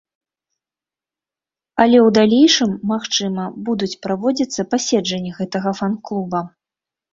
Але ў далейшым, магчыма, будуць праводзіцца паседжанні гэтага фан-клуба.